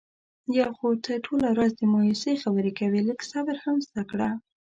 یو خو ته ټوله ورځ د مایوسی خبرې کوې. لږ صبر هم زده کړه.